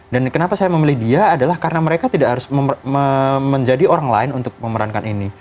dan kenapa saya memilih dia adalah karena mereka tidak harus menjadi orang lain untuk memerankan ini